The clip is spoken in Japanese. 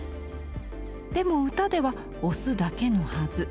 でも歌では雄だけのはず。